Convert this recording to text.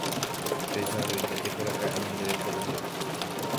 Peichavoi ndajekoraka'e ñande reko yma.